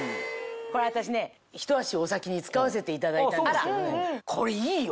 これ私ねひと足お先に使わせていただいたんですけどこれいいよ！